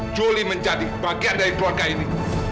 juli menjadi bagian dari keluarga ini